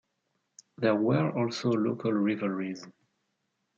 There were also local rivalries.